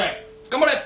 頑張れ。